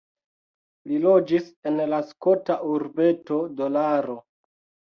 Li loĝis en la skota urbeto Dolaro.